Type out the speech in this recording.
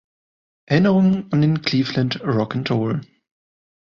Erinnerungen an den Cleveland Rock and Roll.